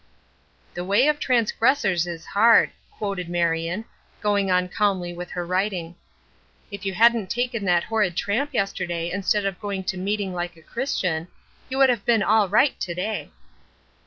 "'The way of transgressors is hard,'" quoted Marion, going on calmly with her writing. "If you hadn't taken that horrid tramp yesterday instead of going to meeting like a Christian, you would have been all right to day."